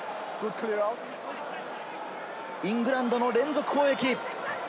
イングランドの連続攻撃。